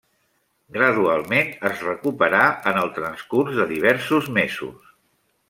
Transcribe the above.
Gradualment es recuperà en el transcurs de diversos mesos.